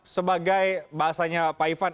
sebagai bahasanya pak ivan